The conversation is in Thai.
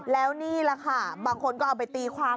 แล้วนี่แหละค่ะบางคนก็เอาไปตีความ